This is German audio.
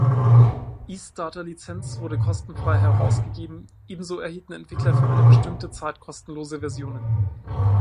E-Starter-Lizenz wurde kostenfrei herausgegeben, ebenso erhielten Entwickler für eine bestimmte Zeit kostenlose Versionen.